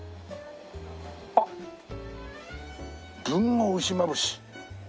あっ豊後牛まぶし。